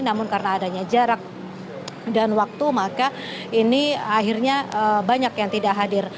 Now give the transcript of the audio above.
namun karena adanya jarak dan waktu maka ini akhirnya banyak yang tidak hadir